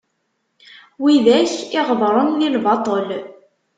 Widak i ɣedṛen di lbatel.